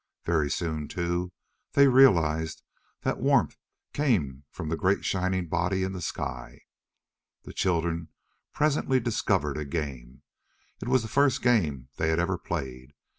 Very soon, too, they realized that warmth came from the great shining body in the sky. The children presently discovered a game. It was the first game they had ever played.